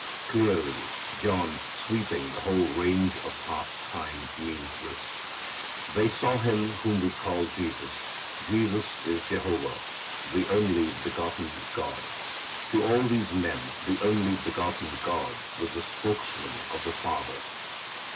Clearly John, sweeping the whole range of past time, means this: they saw Him whom we call Jesus. Jesus is Jehovah, the only begotten God. To all these men the only begotten God was the spokesman of the Father.